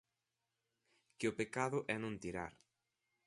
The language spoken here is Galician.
Que o pecado é non tirar.